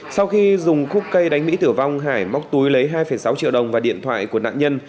sau khi dùng khúc cây đánh mỹ tử vong hải móc túi lấy hai sáu triệu đồng và điện thoại của nạn nhân